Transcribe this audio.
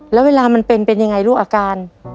แล้วเวลามันเป็นเป็นยังไงลูกอาการ